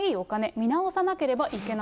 見直さなければいけない。